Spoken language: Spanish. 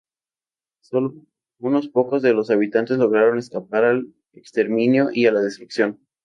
Solo unos pocos de los habitantes lograron escapar al exterminio y a la destrucción.